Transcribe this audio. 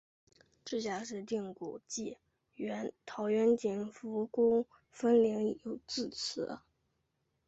直辖市定古迹桃园景福宫分灵自此。